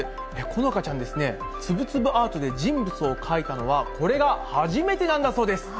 このかちゃんですね、つぶつぶアートで人物を描いたのは、これが初めてなんだそうです。